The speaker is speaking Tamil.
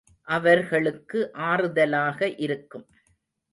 அவர் களுக்கு ஆறுதலாக இருக்கும்.